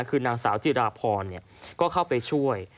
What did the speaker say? คือนางสาวจิราพรก็เข้าไปช่วย